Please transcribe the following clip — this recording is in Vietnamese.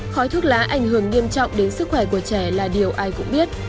khói thuốc lá ảnh hưởng nghiêm trọng đến sức khỏe của trẻ là điều ai cũng biết